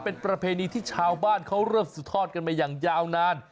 เป็นประเพณีที่ชาวบ้านเขาเริ่มสืบทอดกันมาอย่างยาวนาน